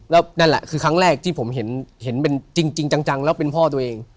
แล้วนั่นแหละคือครั้งแรกที่ผมเห็นเป็นจริงจังแล้วเป็นพ่อตัวเอง